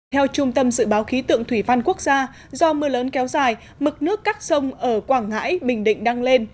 theo trung tâm dự báo khí tượng thủy văn quốc gia do mưa lớn kéo dài mực nước các sông ở quảng ngãi bình định đang lên